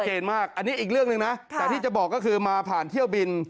มากอันนี้อีกเรื่องหนึ่งนะแต่ที่จะบอกก็คือมาผ่านเที่ยวบิน